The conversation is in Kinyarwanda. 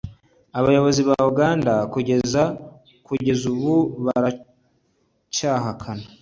abayobozi ba uganda kugeza ubu baracyahakana